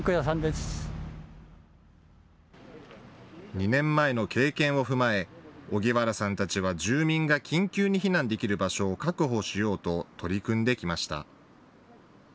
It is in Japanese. ２年前の経験を踏まえ荻原さんたちは住民が緊急に避難できる場所を確保しようと取り組んできました。